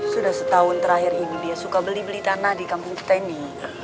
sudah setahun terakhir ini dia suka beli beli tanah di kampung kita ini